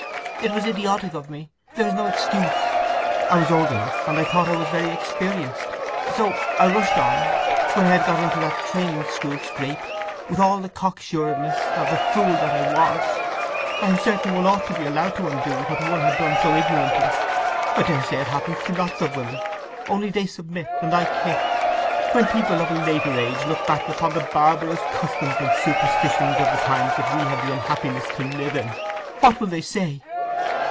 It was idiotic of me—there is no excuse. I was old enough, and I thought I was very experienced. So I rushed on, when I had got into that training school scrape, with all the cock sureness of the fool that I was! … I am certain one ought to be allowed to undo what one had done so ignorantly! I daresay it happens to lots of women, only they submit, and I kick… When people of a later age look back upon the barbarous customs and superstitions of the times that we have the unhappiness to live in, what will they say!"